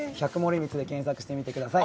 検索してみてください。